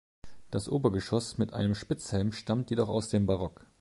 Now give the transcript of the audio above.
Das Obergeschoss mit einem Spitzhelm stammt jedoch aus dem Barock.